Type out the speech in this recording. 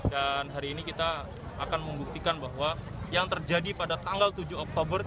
dan hari ini kita akan membuktikan bahwa yang terjadi pada tanggal tujuh oktober